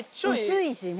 薄いしね。